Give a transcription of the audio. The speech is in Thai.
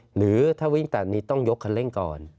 หรือถ้าวิ่งตัดนี้ต้องยกคันเร่งก่อน